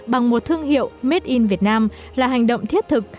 bằng một thương hiệu made in vietnam là hành động thiết thực